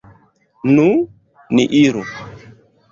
Nu, ni iru.